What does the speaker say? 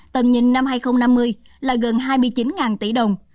tầm nhìn năm hai nghìn năm mươi là gần hai mươi chín tỷ đồng